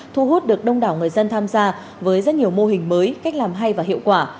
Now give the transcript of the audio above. thu hút được đông đảo người dân tham gia với rất nhiều mô hình mới cách làm hay và hiệu quả